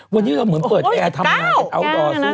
วันนี้เราเหมือนเปิดแอร์ธรรมดาอัลโดรน์สู้ตาย